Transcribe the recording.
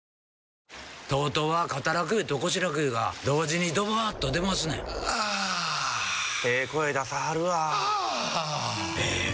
ＴＯＴＯは肩楽湯と腰楽湯が同時にドバーッと出ますねんあええ声出さはるわあええ